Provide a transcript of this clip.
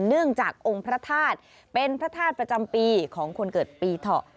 เนื่องจากองค์พระธาตุเป็นพระธาตุประจำปีของคนเกิดปีเถาะ